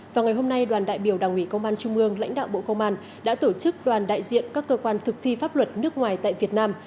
vào ngày hôm nay đoàn đại biểu đảng ủy công an trung ương lãnh đạo bộ công an đã tổ chức đoàn đại diện các cơ quan thực thi pháp luật nước ngoài tại việt nam